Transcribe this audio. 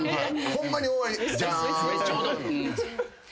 ホンマに終わり。